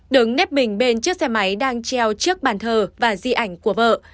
đứng nếp bình bên chiếc xe máy đang treo chiếc bàn thờ và di ảnh của vợ